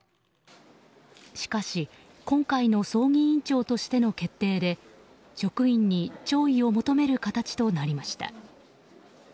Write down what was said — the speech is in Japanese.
しかし、今回の葬儀委員長としての決定で職員に弔意を求める形となりました。